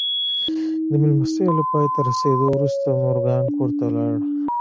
د مېلمستیا له پای ته رسېدو وروسته مورګان کور ته ولاړ